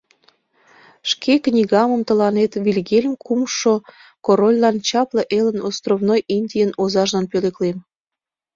Шке книгамым тыланет, Вильгельм Кумшо, корольлан, чапле элын, островной Индийын озажлан пӧлеклем.